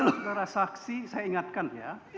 saudara saksi saya ingatkan ya